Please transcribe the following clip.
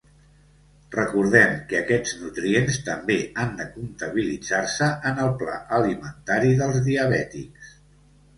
Recordem que aquests nutrients també han de comptabilitzar-se en el pla alimentari dels diabètics.